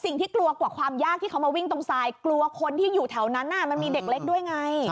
กลัวกว่าความยากที่เขามาวิ่งตรงทรายกลัวคนที่อยู่แถวนั้นมันมีเด็กเล็กด้วยไง